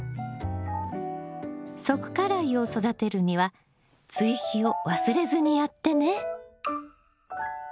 側花蕾を育てるには追肥を忘れずにやってね。